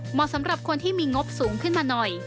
สำหรับคนที่มีงบสูงขึ้นมาหน่อย